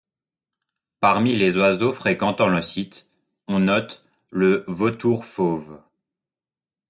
Parmi les oiseaux fréquentant le site, on note le Vautour fauve.